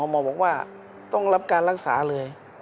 หมอบอกว่าต้องรับการรักษาเลย